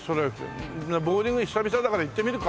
ボウリング久々だから行ってみるか。